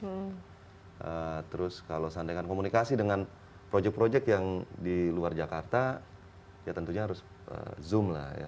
nah terus kalau seandainya komunikasi dengan proyek proyek yang di luar jakarta ya tentunya harus zoom lah ya